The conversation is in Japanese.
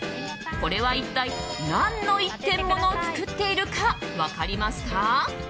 これは一体、何の一点モノを作っているか分かりますか？